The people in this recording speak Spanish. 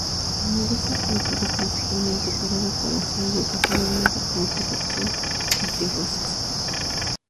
El nudo es utilizado principalmente para decoración y ocasionalmente como protección anti-roces.